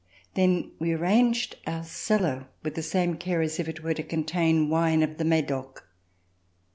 Then we arranged our cellar with the same care as if it were to contain wine of the Medoc.